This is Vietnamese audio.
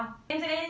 đó là bộ công thương